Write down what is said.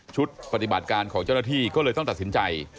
ปฏิบัติการของเจ้าหน้าที่ก็เลยต้องตัดสินใจ